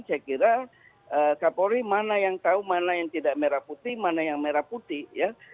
saya kira kapolri mana yang tahu mana yang tidak merah putih mana yang merah putih ya